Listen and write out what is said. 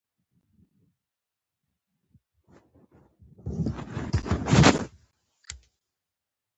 ښوونځي د ماشومانو راتلونکي جوړوي